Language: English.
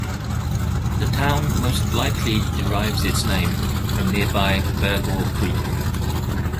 The town most likely derives its name from nearby Burgaw Creek.